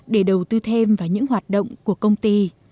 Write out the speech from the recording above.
để đầu tư thêm vào những hoạt động của công ty